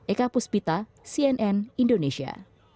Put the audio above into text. eka puspita cnn indonesia